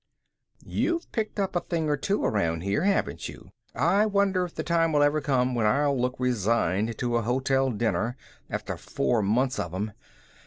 "You've picked up a thing or two around here, haven't you? I wonder if the time will ever come when I'll look resigned to a hotel dinner, after four months of 'em.